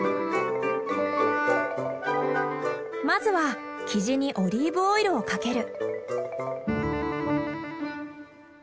まずはキジにオリーブオイルをかける。